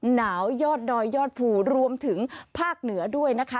หนาวยอดดอยยอดภูรวมถึงภาคเหนือด้วยนะคะ